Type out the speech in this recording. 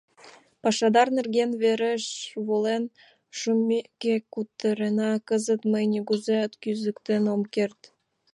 — Пашадар нерген верыш волен шумеке кутырена, кызыт мый нигузеат кӱзыктен ом керт.